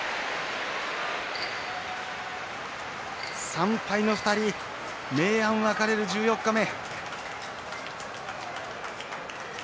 ３敗の２人明暗分かれる十四日目。